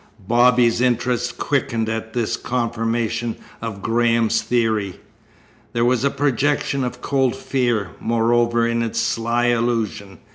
Bobby's interest quickened at this confirmation of Graham's theory. There was a projection of cold fear, moreover, in its sly allusion.